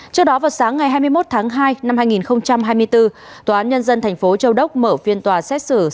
trước đó vào sáng ngày hai mươi một tháng hai năm hai nghìn hai mươi bốn tòa án nhân dân thành phố châu đốc mở phiên tòa xét xử